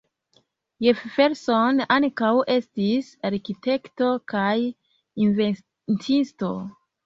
Jefferson ankaŭ estis arkitekto kaj inventisto.